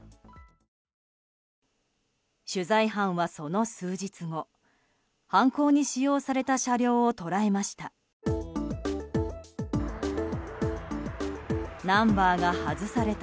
取材班は、その数日後犯行に使用された車両を捉えました。